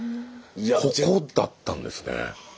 ここだったんですね。